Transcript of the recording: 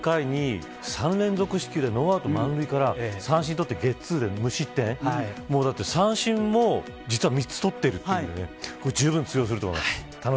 藤浪投手、２回に３連続四球でノーアウト満塁から三振取ってゲッツーで無失点賛成も実は３つ取っているということでじゅうぶん通用すると思います。